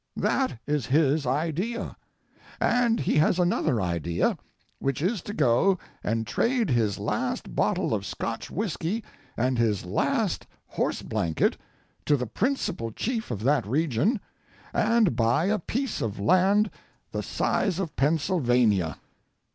That is his idea. And he has another idea, which is to go and trade his last bottle of Scotch whiskey and his last horse blanket to the principal chief of that region and buy a piece of land the size of Pennsylvania.